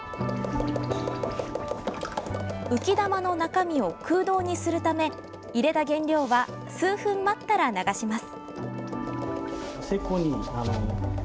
浮き球の中身を空洞にするため入れた原料は数分待ったら流します。